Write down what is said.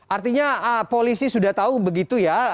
artinya polisi sudah tahu begitu ya